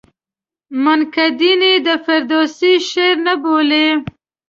منقدین یې د فردوسي شعر نه بولي.